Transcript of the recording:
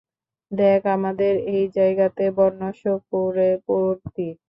দেখ, আমাদের এই জায়গাতে বন্য শূকরে ভর্তি।